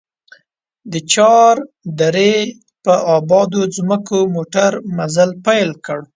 د چار درې په ابادو ځمکو موټر مزل پيل کړ.